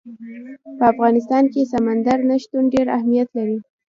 په افغانستان کې سمندر نه شتون ډېر اهمیت لري.